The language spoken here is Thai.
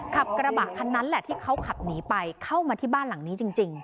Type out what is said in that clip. ขับกระบะคันนั้นแหละที่เขาขับหนีไปเข้ามาที่บ้านหลังนี้จริง